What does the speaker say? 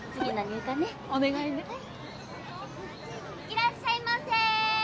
いらっしゃいませ。